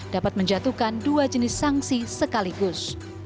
dapat menjatuhkan dua jenis sanksi sekaligus